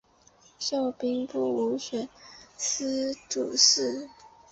授兵部武选司主事。